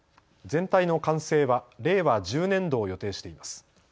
全体の完成は令和１０年度を予定しています。